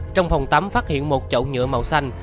trong phòng tắm phát hiện một chậu nhựa màu xanh